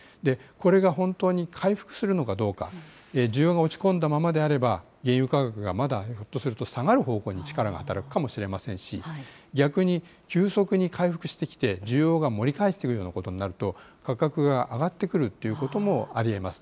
これが本当に回復するのかどうか、需要が落ち込んだままであれば、原油価格がまだ、ひょっとすると下がる方向に力が働くかもしれませんし、逆に、急速に回復してきて、需要が盛り返してくるようなことになると、価格が上がってくるっていうこともありえます。